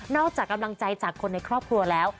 จากกำลังใจจากคนในครอบครัวแล้ว